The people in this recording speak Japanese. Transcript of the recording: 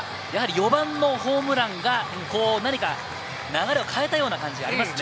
４番のホームランが、何か流れを変えたような感じがありますね。